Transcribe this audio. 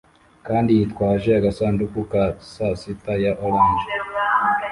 kandi yitwaje agasanduku ka sasita ya orange